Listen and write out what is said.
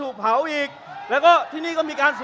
คุณจิลายุเขาบอกว่ามันควรทำงานร่วมกัน